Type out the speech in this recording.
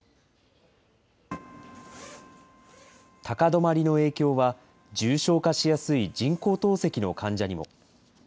高止まりの影響は、重症化しやすい人工透析の患者にも。